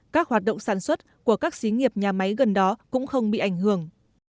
các hoạt động sản xuất của các xí nghiệp nhà máy gần đó cũng không bị ảnh hưởng